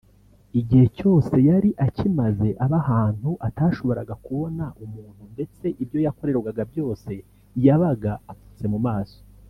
“Igihe cyose yari akimaze aba ahantu atashoboraga kubona umuntu ndetse ibyo yakorerwaga byose yabaga apfutse mu maso